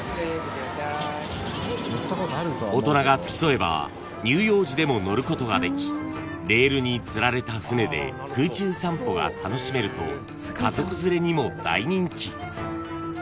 ［大人が付き添えば乳幼児でも乗ることができレールにつられた船で空中散歩が楽しめると家族連れにも大人気］